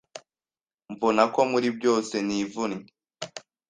mbona ko muri byose nivunnye